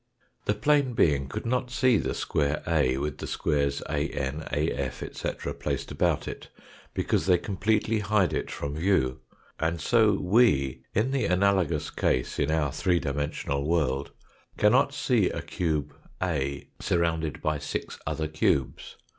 The plane being could not see the square A with the squares An, A/, etc., placed about it, because they completely hide it from view ; and so we, in the analogous case in our three dimensional world, cannot see a cube A surrounded by six other cubes.